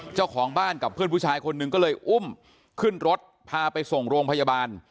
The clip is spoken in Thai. เจ้าของบ้านกับเพื่อนผู้ชายคนหนึ่งก็เลยอุ้มขึ้นรถพาไปส่งโรงพยาบาล